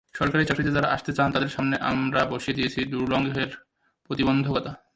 সরকারি চাকরিতে যাঁরা আসতে চান, তাঁদের সামনে আমরা বসিয়ে দিয়েছি দুর্লঙ্ঘেয় প্রতিবন্ধকতা।